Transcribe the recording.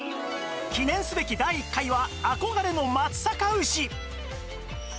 記念すべき第１回は憧れの松阪牛